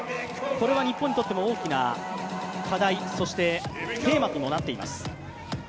これは日本にとっても大きな課題、そしてテーマともなっています。